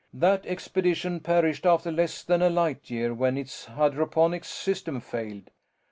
That expedition perished after less than a light year when its hydroponics system failed.